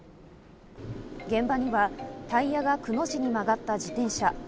現場にはタイヤがくの字に曲がった自転車。